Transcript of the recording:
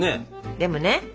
でもね